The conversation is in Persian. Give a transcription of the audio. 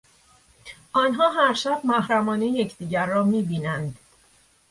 آنها هر شب محرمانه یکدیگر را میبینند.